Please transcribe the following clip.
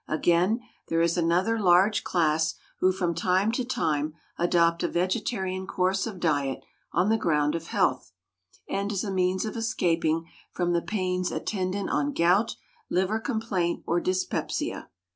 Again, there is another large class who from time to time adopt a vegetarian course of diet on the ground of health, and as a means of escaping from the pains attendant on gout, liver complaint, or dyspepsia.